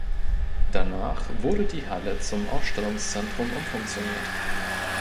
Danach wurde die Halle zum Ausstellungszentrum umfunktioniert.